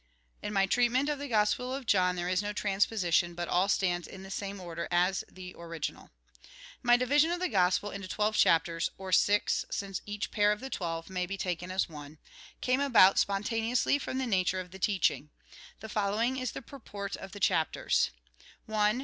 In my treatment of the Gospel of John there is no transposition, but all stands in tlie same order as in the original. My division of the Gospel into twelve chapters (or six, since each pair of the twelve may be taken as one) came about spontaneously from the nature of the teaching. The following is the purport of the chapters: — 1.